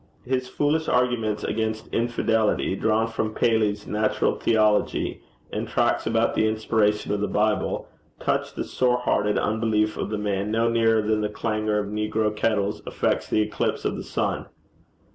His foolish arguments against infidelity, drawn from Paley's Natural Theology, and tracts about the inspiration of the Bible, touched the sore hearted unbelief of the man no nearer than the clangour of negro kettles affects the eclipse of the sun.